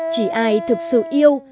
chỉ ai thực sự yêu và hiểu